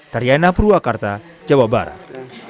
tariana purwakarta jawa barat